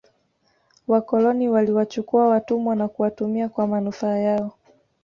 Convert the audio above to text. wakoloni waliwachukua watumwa na kuwatumia kwa manufaa yao